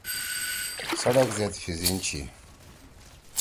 سڑک زید پِھزیِن چھی۔